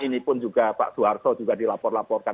ini pun juga pak suharto juga dilapor laporkan